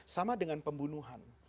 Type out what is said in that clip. sama dengan pembunuhan